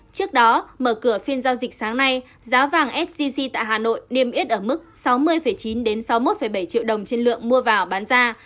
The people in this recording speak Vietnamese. trước đó mở cửa phiên giao dịch sáng nay giá vàng sgc tại hà nội niêm yết ở mức sáu mươi chín sáu mươi một bảy triệu đồng trên lượng mua vào bán ra